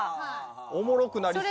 おもろくなりそうや。